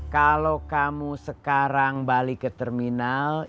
kalau kamu sekarang balik ke terminal